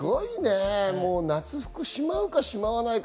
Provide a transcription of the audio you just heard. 夏服しまうか、しまわないか。